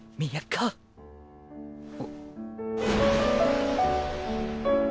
あっ。